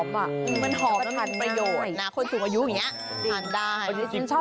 มันหอมอ่ะมันหอมแล้วมันมีประโยชน์นะคนสูงอายุอย่างเงี้ยทานได้